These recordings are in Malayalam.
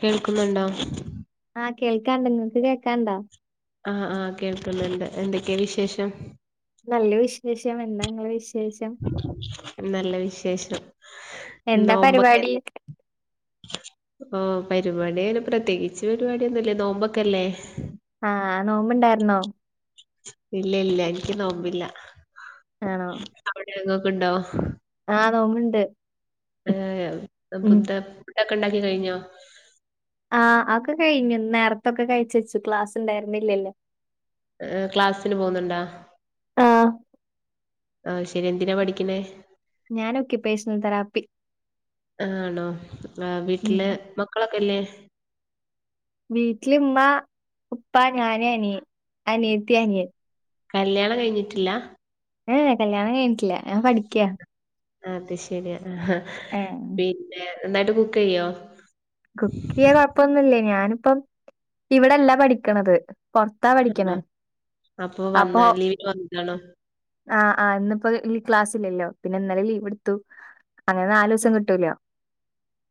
കേൾക്കുന്നുണ്ടോ? ആഹ് കേൾക്കാണ്ട് നിങ്ങക്ക് കേക്കാണ്ടാ? ആ ആ കേൾക്കുന്നുണ്ട് എന്തൊക്കെയാ വിശേഷം? നല്ല വിശേഷം. എന്താ ഇങ്ങളെ വിശേ നല്ല വിശേഷം. എന്താ പരിപാടി? നോമ്പൊക്കെല്ലേ ഓ പരിപാടി അങ്ങനെ പ്രത്യേകിച്ച് പരിപാടിയൊന്നൂല്ല നോമ്പൊക്കെയല്ലേ? ആ നോമ്പുണ്ടായിരുന്നോ? ഇല്ല ഇല്ല എനിക്ക് നോമ്പില്ല. ആണോ. അവിടെ ഇങ്ങക്ക് ഉണ്ടോ. ആ നോമ്പുണ്ട്. ഏഹ് ഏ ഫുഡ്ഡൊക്കെ ഉണ്ടാക്കി കഴിഞ്ഞോ? ആ അതൊക്കെ കഴിഞ്ഞു നേരത്തൊക്കെ കഴിച്ച് വച്ചു ക്ലാസ് ഉണ്ടായിരുന്നില്ലല്ലോ. ഏ ക്ലാസിന് പോകുന്നുണ്ടാ? ആഹ് ആ ശരി എന്തിനാ പഠിക്ക്ണേ? ഞാന് ഒക്യുപേഷണൽ തെറാപ്പി. ആ ഉം വീട്ടില് മക്കളൊക്കെയില്ലേ? വീട്ടിലുമ്മ ഉപ്പ ഞാന് അനി അനിയത്തി അനിയൻ. കല്യാണം കഴിഞ്ഞിട്ടില്ല. ഏ കല്യാണം കഴിഞ്ഞിട്ടില്ല. ഞാൻ പഠിക്ക അത് ശരിയാ. പിന്നെ നന്നായിട്ട് കുക്ക് ചെയ്യോ? കുക്ക് ചെയ്യാൻ കൊഴപ്പൊന്നൂല്ല. ഞാനിപ്പം ഇവിടല്ല പഠിക്കണത് പൊറത്താ ആണോ? പഠിക്കണെ വന്ന അപ്പൊ ലീവിന് വന്നതാണോ ആ ആ ഇന്നിപ്പോ ഈ ക്ലാസ്സില്ലല്ലോ. പിന്നെ ഇന്നലെ ലീവ് എടുത്തു. അങ്ങനെ നാലു ദിവസം കിട്ടൂലോ.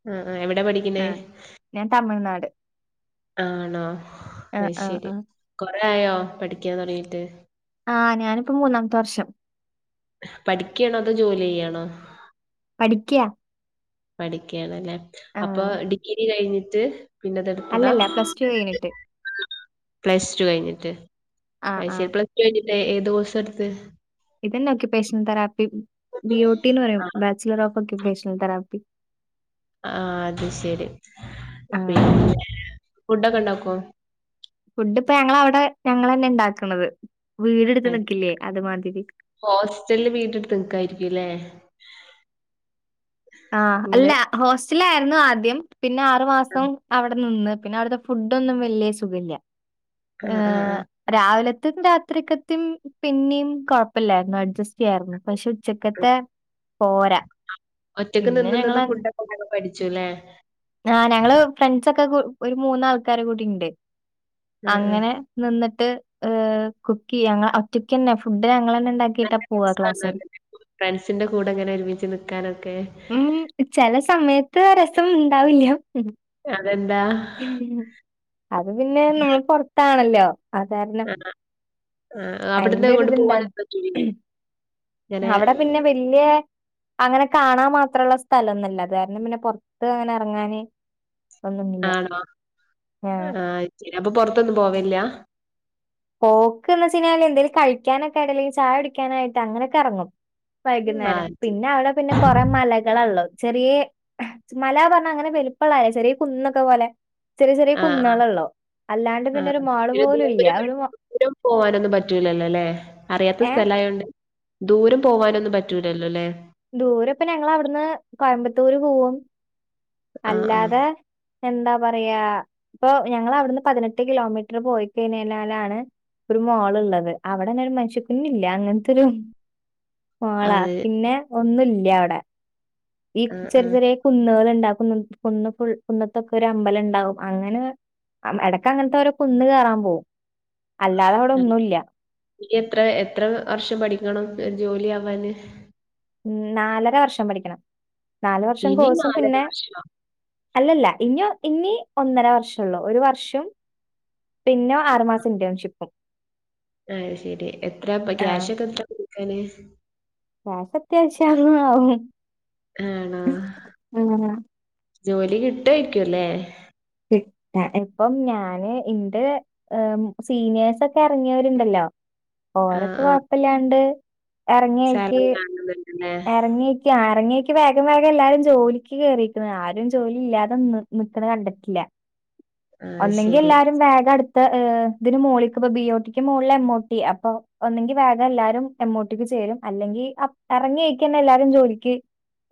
ഉം ഉം എവിടെ പഠി ആ ഞാൻ തമിഴ്നാട്. ആണോ ആഹ് അ ആഹ് ശരി ആഹ് കൊറെ ആയോ പഠിക്കാന്ന് തുടങ്ങിട്ട് ആഹ് ഞാനിപ്പ മൂന്നാമത്തെ വർഷം പഠിക്കണോ അതോ ജോലി ചെയ്യണോ പഠിക്കയാ പഠിക്കയണല്ലേ അപ്പൊ ആഹ് ഡിഗ്രി കഴിഞ്ഞിട്ട് പിന്നെത എടുത്തതാ അല്ലല്ല പ്ലസ് ടു കഴിഞ്ഞിട്ട് പ്ലസ് ടു കഴിഞ്ഞിട്ട് ആഹ് അ ശരി ആഹ് പ്ലസ് ടു കഴിഞ്ഞിട്ടേ ഏത് ദിവസം എടുത്ത് ഇത തന്നെ ഒക്യുപേഷണൽ തെറാപ്പി ബിഒടിിന്ന് പറയും ബാച്ചലർ ഓഫ് ഒക്കയുപേഷണൽ തെറാപ്പി ആ അത് ശരി ആഹ് പിന്നെ ഫുഡൊക്കെ ഉണ്ടാക്കോ ഫുഡ് ഇപ്പ ഞങ്ങള അവിടെ ഞങ്ങ തന്നെ ഉണ്ടാക്കുന്നത് അ ഹോസ്റ്റലില് വീട്ട എടുത്ത് നിക്കായിരിക്കുല്ലേ [inaudible] ആഹ അല്ല ഹോസ്റ്റലായിരുന്നു ആദ്യം പിന്നെ ആറു മാസം അവിടെ നിന്ന് പിന്നെ അവിടുത്തെ ഫുഡൊന്നും വലിയ സുഖമില്ല ആഹ് ആഹ് ആഹ് രാവിലെ അത്തും രാത്രിക്കത്തിും പിന്നെയും കുഴപ്പില്ലായിരുന്നു അഡ്ജസ്റ്റ് ചെയ്യായിരുന്നു പക്ഷെ ഉച്ചക്കത്ത് പോര ഒറ്റക്ക് പിന്നെ നിന്ന് നിന്ന് ഞ ഫുഡൊക്കെ ഇണ്ടാക്കാൻ പഠിച്ചുല്ലേ ഞ ക്കെ ഒരു മൂന്ന ആൾക്കാര കൂടി ഉണ്ട് ആഹ് ആഹ് അങ്ങനെ നിന്നിട്ട് ഹ് കുക്ക് ചെയ്യ ഞങ്ങൾ ഒറ്റക്ക തന്നെ ഫുഡ് ഞങ്ങൾ തന്നെ നല്ല രസണ ഫ്രണ്ട്സിന്റെ കൂടെ എങ്ങനെ ഒരുമച്ച് നിക്കാനൊക്കെ ഉം ചില സമയത്ത് രസം ഉണ്ടാവില്ല അതെന്താ അത് പിന്നെ നമ്മൾ പുറത്താണല്ലോ അ കാരണം ആ അവിടുന്ന് അയിന്റെ അങ്ങോട്ട് ഒരിത്ന്താണ് പോവാനൊന്നും പറ്റൂലേ ഇങ്ങനെ അവിടെ പിന്നെ വല്യ അങ്ങനെ കാണാ മാത്രുള്ള സ്ഥലംൊന്നല്ല അതാരണം പിന്നെ പൊറത്ത് അങ്ങനെ ഇറങ്ങാന് ആണോ ആഹ ശരി അപ്പൊ പുൊറത്തൊന്നും പോവില്ല പോക്ക്ന്ന് വച്ച കിഞ്ഞാൽ എന്തേലും കഴിക്കാനൊക്ക ആയിട്ട് അല്ലെങ്ക ചായ കുടിക്കാനായിട്ട് അങ്ങനൊക്കെ ഇറങ്ങും ആ വൈകുന്നേരം ശരി പിന്നെ അവിടെ പിന്നെ കൊറെേ മലകളള്ളൂ ചെറിയ മല പറഞ്ഞ അങ്ങനെ വെലുപ്പള്ളല്ലേ ചെറിയ കുന്നൊക്കെ പോലെ ചെറിയ ചെറിയ ആ ആ കുന്നുകളള്ളോ അല്ലാണ്ട് പിന്നെ ഒരു മാള് പോലും ഇല്ല ഒരു ഒരും പോവാനൊന്നും പറ്റൂലല്ലോ അല്ലെ അറിയാത്ത ഏഹ് സ്ഥല ആയോണ്ട് ദൂരം പോവാനൊന്നും പറ്റൂലല്ലോല്ലേ ദൂര ഇപ്പൊ ഞങ്ങ അവിടുന്ന് കോയമ്പത്തൂർ പോവും ആ ആ അല്ലാതെ എന്താ പറയാ ഇപ്പൊ ഞങ്ങ അവിടുന്ന് പതിനെട്ട് കിലോമീറ്റർ പോയി കഴഞ്ഞാലാണ് ഒരു മോൾ ഉള്ളത് അവിടെന്നെ ഒരു മനുഷിക്കുന്ന ഇില്ല അങ്ങനത്തെരു മളാ അതെ പിന്നെ ഒന്നുംല്ല അവിടെ ഈ ആ ആ ചെറിയ ചെറിയ കുന്നുകൾുണ്ട് ഫു കുന്നത്തൊക്കെ ഒരു അമ്പലം ഉണ്ടാവും അങ്ങനെ ഇടക്ക അങ്ങനത്തെ ഒരുര കൊന്ന് കേയറാൻ പോകും എത്ര എത്ര വർഷം പഠിക്കണം ജോലി ആവാാന് ഉ നാലര വർഷം പഠിക്കണം നാല വർഷം ഇനി കോഴ്സും നാലര പിന്നെ വർഷോ അല്ലല്ല ഇനി ഇനി ഒന്നര വർഷംള്ളൂ ഒരു വർഷം പിന്നെ ആറുമാസം ഇന്റേൺഷിപ്പും അ ശെരി എത്ര ക്യാഷ് ഒക്കെ എത്രിക്കാന് ക്യാഷൊക്കെ ആത്യാവശ്യം ആവും ആണോ ജോലി കിട്ടായിക്കുവല്ലേ ഇപ്പം ഞാന് ഇന്റെ സീനിയേഴ്സ്ക്കെ ഇറങ്ങിയവരുണ്ടല്ലോ ആ ഓരൊക്കെ ആ കൊഴപ്പില്ലാണ്ട് ഇറങ്ങിയക്ക് സാലറി കാണുന്നുണ്ടല്ലേ ഇറങ്ങിയക്ക് ആ ഇറങ്ങിയക്ക് വേഗം വേഗം എല്ലാരും ജോലിക്ക് കേറിരിക്കുന്ന ആരും ജോലി ഇല്ലാതെ നിക്കുന്നത് കണ്ടിട്ടില്ല ആഹ് ഒന്നെങ്കി ശരി എല്ലാരും വേഗടു ഇതിന് മുകളള ബി ഒട്ടിക്ക് മുകളിൽ എമ്മഒ ട്ടി അപ്പൊ ഒന്നെങ്കി വേഗം എല്ലാവരും എംഒ ട്ടി ക്ക് ചേരും അല്ലെങ്കി ഇറങ്ങിഴക്കന്നെ എല്ലാരും ജോലിക്ക്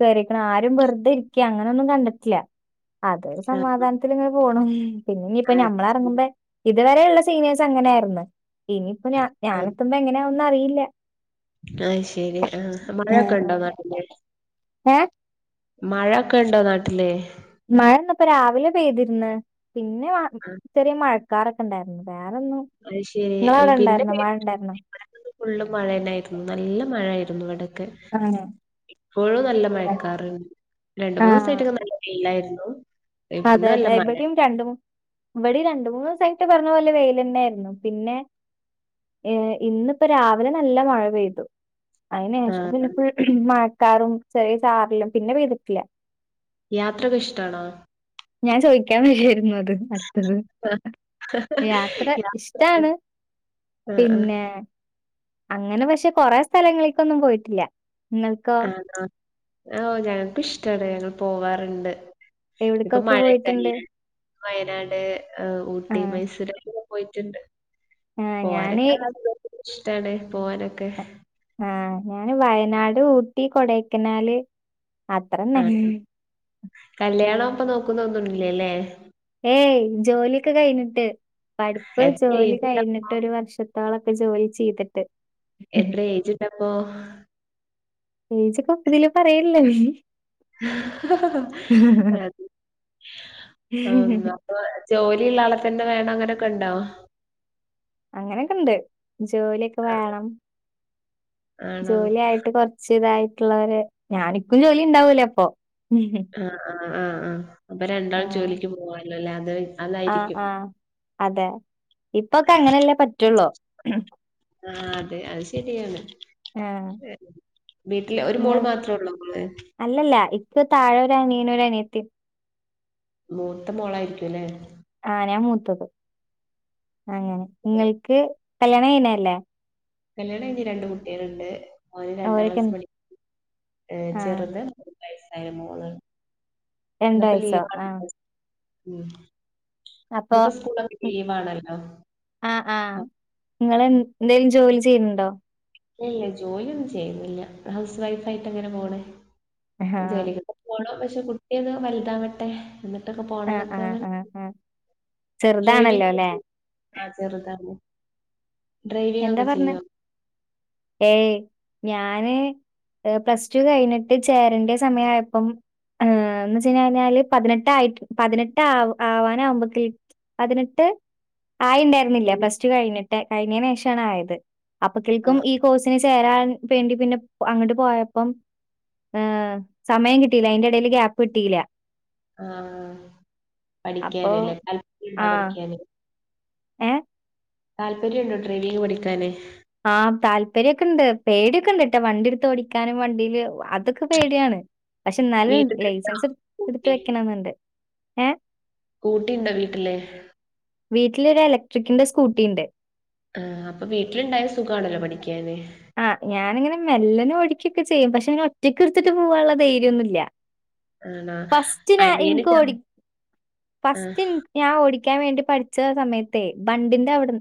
കയറിരിക്കണം ആരും വെറുതെ ഇരിക്ക അങ്ങനെയ ഒന്നും കണ്ടിട്ടില്ല അതൊ ആഹ് സമാധാനത്തില് ഇങ്ങനെ പോണു പിന്നെ യിപ്പ അത് ശരി ഞമ്മളറങ്ങുമ്പ ഇതുവരെെയുള്ള സീനിയേഴസ് അങ്ങനെയ ആയിരുന്ന് ഇനിയിപ്പോഞഞാനെത്തുമ്പോ എങ്ങനെയാന്നും അറിയില്ല ആഹ് ശരി ആഹ് മഴൊക്കെ ഉണ്ടേ നാട്ടില് ഏ മഴൊക്കെ ഉണ്ടോ നാട്ടില് മഴ ഇന്ന് ഇപ്പ രാവിലെ പെയ്തിരുന്ന് പിന്നെ മറി ആഹ് ചെറിയ മഴക്കാറൊക്കെ ഉണ്ടായിരുന്നു അ ശെരി പിന്നെ മഴ ഇണ്ടായിരുന്നോ? ഇവിടെ ഫുുള്ളും മഴ തന്നൊയിരുന്നു നല്ല മഴായിരുന്നു ഇവിടക്ക് ആണോ ഇപ്പോഴും നല്ല മഴക്കാറണ്ട് രണ്ട് മൂന്ന് ആഹ് ദിവസമായിട്ടൊക്കെ നല്ല വെയിലായിരുന്നു ഇന്ന് അതെ നല്ല അതെ ഇവിടെയും മഴണ്ട് രണ്ട് മൂ ഇവിടെ രണ്ട് മൂന്ന് ദിവസാ പറഞ്ഞ പോലെ വെയ്ൽ തന്നെ ആരുന്നു പിന്നെ ഏർ ഇന്നിപ്പോ രാവിലെ നല്ല മഴ പെയ്തു അതിന് ശേഷം പിന്നെ ആഹ് മഴക്കാറും ചെറിയ ചാറലും പിന്നെ പെയ്തിട്ടില്ല യാത്രൊക്കെ ഇഷ്ടാണോ ഞാൻ ചോദിക്കാൻ വഴിയായിരുന്നു അത് അടുത്തത് യാത്ര യാത്ര ഇഷ്ടാണ് ആഹ് ആഹ് പിന്നെ അങ്ങനെ പക്ഷെ കൊറെ സ്ഥലങ്ങളേക്കൊന്നും പോയിട്ടില്ല നിങ്ങൾക്കോ ആ ഞങ്ങൾക്ക് ഇഷ്ടണ് ഞങ്ങൾ പോവാാറുണ്ട് ഇപ്പൊ എവിടേക്കൊക്കെ പോയിട്ടുണ്ട്? മഴയൊക്കെയിലെ. വയനാട് ഊട്ടി, ആഹ് മൈസൂർ, അങ്ങനെ പോയിട്ണ്ട് ആഹ് ഞാന് പോവാനൊക്കെ ഇഷ്ടാണ് പോവാനൊക്കെ ആഹ് ഞാന് വയനാട്, ഊട്ടി, കൊടക്കനാല് അത്രന്നെ അപ്പൊ നോക്കുന്ന ഒന്നുംല്ലേല്ലേ ഏയ് ജോലിയൊക്കെ കഴിഞ്ഞിട്ട് പഠിപ്പ് എത്ര ജോലി ഏജ്ണ്ടപ്പോ? കഴിഞ്ഞിട്ട് ഒരു വർഷ ത്തോളൊക്കെ ജോലി ചെയ്തിട്ട് എത്ര ഏജിണ്ടപ്പൊ [unintelligible] അത് ആ ജോലി ള്ള ആള് തന്നെ വേണം അങ്ങനെയൊക്കെ ഉണ്ടോ അങ്ങനൊക്കെ ഇണ്ട് ജോലിയൊക്കെ ആഹ് വേണം ആണോ? ജോലി ആായിട്ട് കൊറച്ച് ഇതായിട്ടുള്ളവര് ഞാനിക്കും ജോലി ഉണ്ടാവൂലേ അപ്പൊ ഉം ആ ആ ആ അപ്പൊ രണ്ടാളും ജോലിക്ക് പോകാലോ അല്ലേ ആഹ് ആഹ് അതെ ഇപ്പൊക്കെ അങ്ങനെല്ലേ പറ്റുള്ളൂ ആ അതെ അത് ശരിയാണ് ആഹ് വീട്ടില് ഒരു നിങ്ങൾ മോള് മാത്രേ ഉള്ളൂ ങ്ങള് അല്ലല്ല ഇക്ക് താഴെ ഒരനിയനും ഒരനിയത്തി മൂത്ത മോളായിരിക്കുംല്ലേ ആഹ് ഞാൻ അങ്ങനെ നിങ്ങൾക്ക് കല്യാണം കഴിഞ്ഞത് അല്ലേ കല്യാണം കഴിഞ്ഞ് രണ്ട് കുട്ടികള് ഉണ്ട് മോന് രണ്ടാം ഓരൊക്കെ ക്ലാസ് പഠിക്കു ആഹ് രണ്ട് വയസ്സ ആ ഉം അപ്പൊ ഇന്നിപ്പോ സ്കൂളൊക്കെ ലീവാണല്ലോ ആഹ ആഹ നിങ്ങൾ എന്തോലും ജോലി ചെയ്യുണണ്ടോ ഇല്ല ജോലിയൊന്നും ചെയ്യുന്നില്ല ഹൗസ് വൈഫ് ആയിട്ട് അങ്ങനെ പോണേ ആഹ് ജോലിക്കൊക്കെ പോണം പക്ഷെ കുട്ടി ഒന്ന് വലുതാാവട്ടെ എന്നിട്ടൊക്കെ പോണം ആഹ് ആഹ് എന്നൊക്കെ ആഹ് ആഹ് ഡ്രൈവി ചെറുതാണല്ലോ അല്ലെ ആ ചെറുത ആ. എന്താ പറഞ്ഞ ഏയ് ഞാന് പ്ലസ് ടു കഴിഞ്ഞിട്ട് ചേരണ്ട സമയയപ്പം- ഏർ എ വെച്ച കഴിഞ്ഞ കഴിഞ്ഞാല് പതിനെട്ട ആ് പതിനെട്ട് ആ ആവാനാകുമ്പത്ത- അതിനിട്ട് ആയി ഉണ്ടായിരുന്നില്ല പ്ലസ് ടു കഴിഞ്ഞിട്ട് കഴിഞ്ഞതിന് ശേഷമാണ് ആയത് ആ അപ്പക്കൾക്കും ഈ കോഴ്സിന് ചേരാൻ വേണ്ടി പിന്നെ അങ്ങോട്ട് പോയപ്പം- ആഏ സമയം കിട്ടിയില്ല അതിറെ ഇടയില് ഗ്യാപ്പ് കിട്ടിയില്ല ആഹ അപ്പൊ പഠിക്കാനല്ലേ താല്പര്യ ആഹ് പഠിക്കാന ഏഹ് താല്പര്യുണ്ടോ ട്രെയിനിങ് പഠിക്കാന്? ആഹ് താല്പര്യംൊക്കെ ഇണ്ട് പേടിയൊക്കെ ഇണ്ട് ട്ടാ വണ്ടി എടുത്ത് ഓടിക്കാനും വണ്ടിയില് അതൊക്കെ പേടിയാണ്. പക്ഷെ എന്നാലും വീട്ടില് ലൈസൻസ് എടുത്ത വെക്കണംന്നുണ്ട് ഏ സ്കൂട്ടിണ്ടോ വീട്ടില്? വീട്ടില ഒരു എലക്ട്രിക്കിന്റെ സ്കൂട്ടി ഉണ്ട്. ആ അപ്പൊ വീട്ടിലുണ്ടായ സുഖമാണല്ലോ പഠിക്കാന് ആഹ് ഞാനിങ്ങനെ മെല്ലനും ഒഴിക്കിയൊക്കെ ചെയ്യും പക്ഷെ ഒറ്റക്കടുത്തിട്ട് പോവാനുള്ള ധൈര്യൊന്നുമ ഇല്ല ആണോ ഫസ്റ്റ് ഞാ അനിയന് എനിക്ക് ഓ ചെർ ആഹ് ഫസ്റ്റ് ഞാൻ ഓടി - ടിക്കാൻ വേണ്ടി പഠിച്ച സമയത്തെ ബണ്ടിന്റെ അവിടു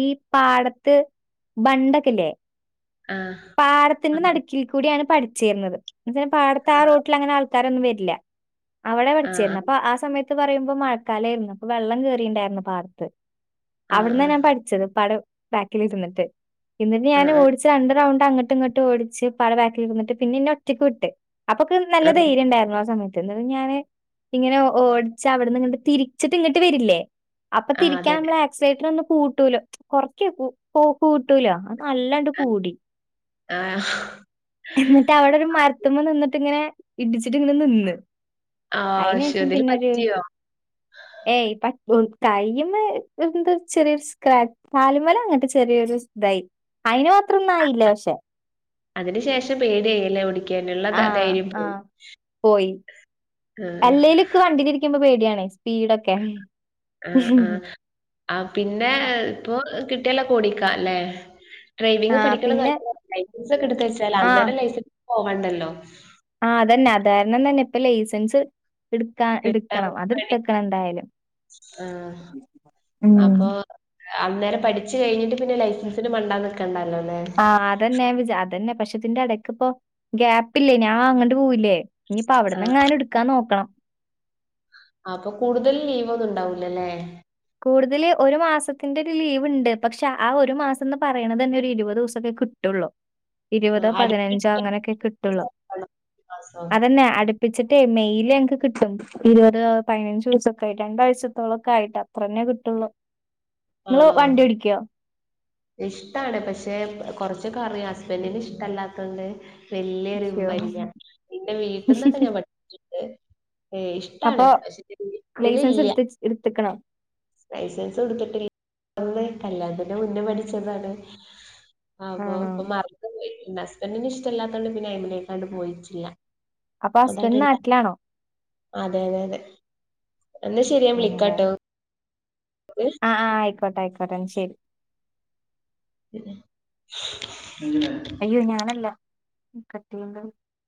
ഈ പാടത്ത്- ബണ്ടക്കല്ലേ ആഹ് പാടത്തിന്റെ ആണോ നടുക്കിൽ കൂടിയാണ് പഠിച്ചുേരുന്നത് പിന്നെപാടത്തെ ആ ആഹ് റൂട്ടിൽ അങ്ങനെ ആൾ രോന്നും വരില്ല അവിടെ ആഹ് പഠിച്ചിരുന്നു അപ്പൊ ആ സമയത്ത്- പറയുമ്പോ മഴക്കാലമായിയിരുന്നു അപ്പൊ വെള്ളം കേയറിയിണ്ടായിരുന്നു പാടത്ത് ആഹ് അവിടന്ന ഞാൻ പഠിച്ചത് പട ബാക്കിൽിരുന്നിട്ട് എന്നിട്ട് ആഹ് ഞാൻ ആഹ് ഓ രണ്ട് റൗണ്ട് അങ്ങോട്ട് ഇങ്ങട്ട് ഓടിച്ച് പാട ബാക്കിലിന്നിട്ട് പിന്നെന്ന ഒറ്റക്ക് വിട്ട് അപ്പൊക്ക നല്ല ആഹ് ധൈര്യം ഉണ്ടായിരുന്നു ആ സമയത്ത്. മ ഞാാന് ഇങ്ങനെ ഓടിച്ച് അവിടന്ന് ഇങ്ങോട്ട് തിരിച്ചിട്ട് ഇങ്ങട്ട് വരില്ലേ അപ്പൊ ആഹ് അതെ തിരിക്കാനുള്ള ആക്സൈിന ഒ കൂട്ടൂല കൊറച്ച പോ കൂട്ടൂല നല്ല ആഹ് കൂടി ആഹ് എന്നിട്ട് അവിടെരു മരത്തുമ നിന്നിട്ടിങ്ങനെ ഇടിച്ചിട്ട് ഇങ്ങനെ നിന്ന് ആഹ് ശോ അതിനേഷം ഇതില് പിന്നരു പറ്റിയോ ഏയ് പ തയ്യമ്മ എന്ത ചെറിയൊരു സ്ക്രാച്ച് പാലി മല അങ്ങനട്ട് ചെറിയൊരു തൈ അയിന് മാത്രൊന്നും ആയില്ല പക്ഷെ. അതിനന് ശേഷം പേടിയ യില്ലേ ഓടി ആഹ ആഹ പോയി. ആഹ് അല്ലലൊക്ക് വണ്ടി ഇരിക്കുമ്പോ പേടിയാണേ സ്പീഡൊക്കെ ആഹ! ആ ആ പിന്നെ ഇപ്പൊ- കിട്ടിയാല് ഓടിക്കാ അല്ലേ ഡ്രൈവിംഗ ആഹ് പഠിക്കണ പിന്നെ നല്ലത ലൈസൻസ് ഒക്കെ എടുത്ത വച്ചാൽ അന്നേരം ലൈസൻസ് പോവാണ്ടല്ലോ. ആ അതന്നെ അതാരണം തന്നെ ഇപ്പൊ ലൈസൻസ്- എടുക്കാ കിട്ടാൻ എടുക്കണം അത്ടുത്തക്കണം എന്തായാലും. ആ ഉം അപ്പൊ അന്നേരം പഠിച്ചു കഴിഞ്ഞിട്ട് പിന്നെ ലൈസൻസിന് മണ്ടന്നൊക്കണ്ടല്ലോ. ആഹ് അതന്നെജ അതന്നെ പക്ഷെ ഇതിന്റെ ഇടക്ക് ഇപ്പോ ഗ്യാപ്പില്ലേനി ഞാൻ അങ്ങോട്ട് പോവ്ല്ലേ ഇനിയിപ്പ ആഹ് അവിടന്ന്ങ്ങാനൻ എടുക്കാൻ നോക്കണം. അപ്പൊ കൂടുതൽ ലീവ് ഒന്നും ഉണ്ടാവൂലല്ലേ. കൂടുതൽ ഒരു മാസത്തിന്റെ ഒരു ലീവ് ഉണ്ട് പക്ഷെ ആ ഒരു മാസം എന്ന് പറയണ തന്നെ ഒരു ഇരുപത് ദിവസക്കെ- കിട്ടുള്ളൂ. ആഹ് ഇരുപതോ പതിനഞ്ചോ അടുപ്പിച്ച് അങ്ങനെയൊക്കെ കിട്ടുള്ളു ആണോ? മാസം അതെന്നെ അടു പ്പിച്ചിട്ടേ മെയിൽ ഞങ്ങക്ക് കിട്ടും ഇരുപത് പതിനഞ്ചു ദിവസൊക്കെ കഴിഞ്ഞിട്ടാണ് രണ്ടാഴ്ചത്തോളൊക്കെ ആയിട്ട അത്രന്നേ കിട്ടുള്ളൂ ആണോ വണ്ടി ഓടിക്കോ ഇഷ്ടാണ് പക്ഷെ കൊറച്ചൊക്കെ അറിയാം ഹസ്ബന്റന് ഇഷ്ടമല്ലാത്തൊണ്ട് വലിയ അശ്യോ ഇമ്പല്ല നിന്റെ വീട്ടിൽന്നൊക്കെ ഞാൻ പ ഏ ഇഷ്ടാണ് അപ്പൊ പക്ഷ ലൈസൻസ് ഇട്ടില്ല എടുത്ത് എടുത്തക്കണോ ലൈസൻസ് കൊടുത്തിട്ട് ഒന്ന് കല്യാണത്തിന്റെ മുന്നേ പഠിച്ചതാണ് ആ ആണോ അപ്പൊ മറന്ന് പോയി പിന്നെ ഹസ്ബന്ഡറിന് ഇഷ്ടമല്ലാത്തണ്ട് പിന്നെ എമ ണ്ട് പോയിട്ടില്ല അപ്പൊ ഹസ്ബൻഡ് അതട്ട്ണ്ട നാട്ടിലാണോ അതെ അതെ അതെ എന്നാ ശരിയാ ഞാ ആണല്ലേ വിളിക്കാട്ടോ മോ കട്ടായിക്കാട്ടെ ശരി മം അയ്യോ ഞാനല്ല കട്ട ചെയ്യേണ്ടത്